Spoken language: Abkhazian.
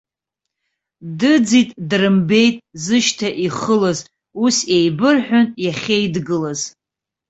Дыӡит, дрымбеит зышьҭа ихылаз, ус еибырҳәон иахьеидгылаз.